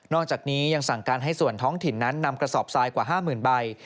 อกจากนี้ยังสั่งการให้ส่วนท้องถิ่นนั้นนำกระสอบทรายกว่า๕๐๐๐ใบ